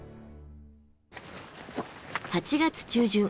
８月中旬。